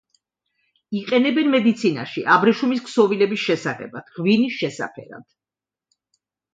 იყენებენ მედიცინაში, აბრეშუმის ქსოვილების შესაღებად, ღვინის შესაფერად.